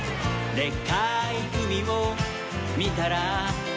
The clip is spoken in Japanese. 「でっかいうみをみたら」